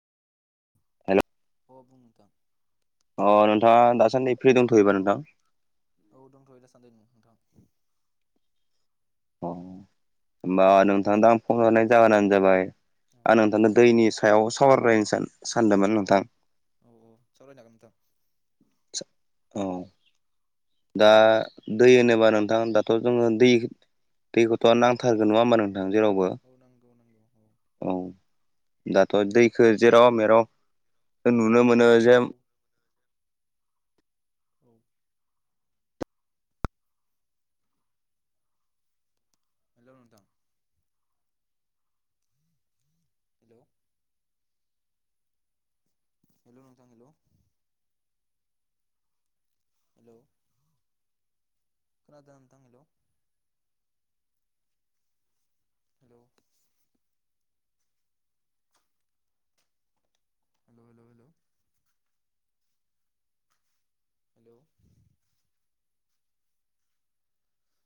हेल' अ बुं‌ नोंथां अ नोंथाङा दासान्दि फ्रि दंथ'योबा नोंथां औ दंथ'यो दा सान्दि नोंथां अ होनबा नोंथां दा आं फन हरनाय जाहोनानो जाबाय औ आं नोंथांनो दैनि सायाव सावारायनो सानदोंमोन नोंथां औ औ सावरायनोहागोन नोंथां औ दा दै होनोबा नोंथां दाथ' जोङो दै दैखौथ' नांथारगौ नङा होनबा नोंथां जेरावबो औ-औ नंगौ नंगौ औ औ दाथ' दैखो जेराव मेराव नुनो मोनो जे औ औ हेलौ नोंथां हेलौ हेलौ नोंथां हेलौ हेलौ खोनादों नोंथां आं hello hello hello hello hello hello